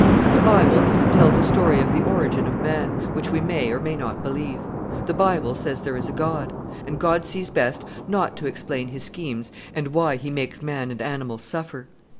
"The Bible tells a story of the origin of man, which we may or may not believe. The Bible says there is a God; and God sees best not to explain His schemes and why He makes man and animals suffer.